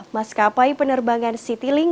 maskapai penerbangan citylink